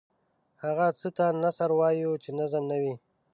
هغه څه ته نثر وايو چې نظم نه وي.